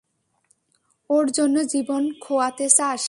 ওর জন্য জীবন খোয়াতে চাস?